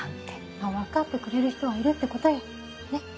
まぁ分かってくれる人はいるってことよねっ。